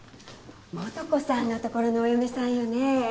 素子さんのところのお嫁さんよね？